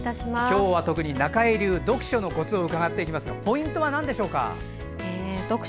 今日は中江流読書のコツを伺っていきますがポイントはなんでしょうか。